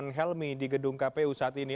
helmi di gedung kpu saat ini